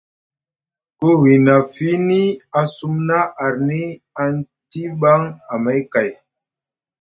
Ku hina fiini a sumna arni aŋ tiiɓan amay kay.